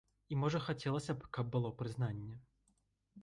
І можа хацелася б, каб было прызнанне.